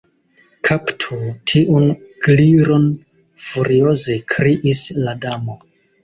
"Kaptu tiun Gliron," furioze kriis la Damo.